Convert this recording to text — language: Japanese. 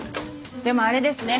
でもあれですね。